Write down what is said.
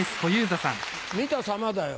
見たさまだよ